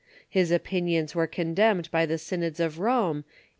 His opinions were condemned by the synods of Rome, a.